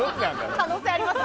可能性ありますね。